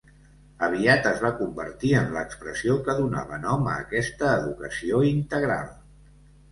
Aviat es va convertir en l'expressió que donava nom a aquesta educació integral.